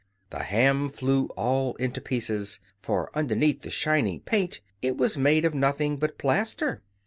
The ham flew all into pieces, for underneath the shiny paint it was made of nothing but plaster!